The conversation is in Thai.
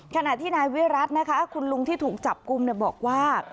ขณะที่นายเวรัสนะคะคุณลุงที่ถูกจับกุมเนี่ยบอกว่า